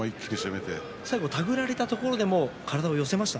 最後、手繰られたところを体を寄せていきました。